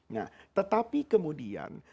nah tetapi kemudian